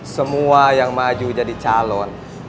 semua yang maju jadi calon